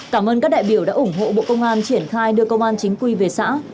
cảm ơn các đại biểu đã ủng hộ bộ công an triển khai đưa công an chính quy về xã